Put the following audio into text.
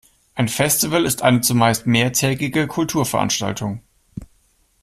Ein Festival ist eine zumeist mehrtägige Kulturveranstaltung